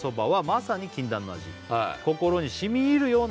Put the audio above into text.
「まさに禁断の味心にしみいるようなうまさで」